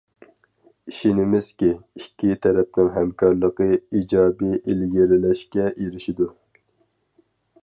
ئىشىنىمىزكى، ئىككى تەرەپنىڭ ھەمكارلىقى ئىجابىي ئىلگىرىلەشكە ئېرىشىدۇ.